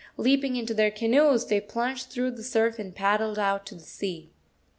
Leaping into their canoes, they plunged through the surf and paddled out to sea.